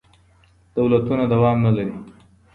دولتونه دوام نه لري.